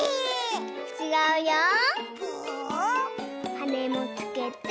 はねもつけて。